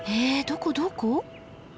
どこどこ？